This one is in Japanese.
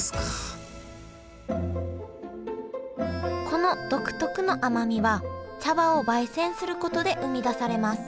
この独特の甘みは茶葉をばい煎することで生み出されます